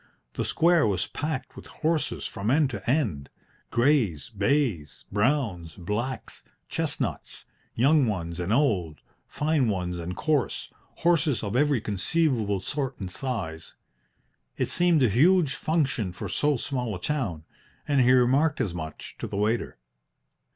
The square was packed with horses from end to end greys, bays, browns, blacks, chestnuts young ones and old, fine ones and coarse, horses of every conceivable sort and size. It seemed a huge function for so small a town, and he remarked as much to the waiter.